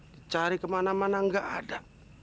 dicari kemana mana nggak ada